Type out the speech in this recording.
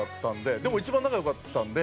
でも一番仲良かったんで。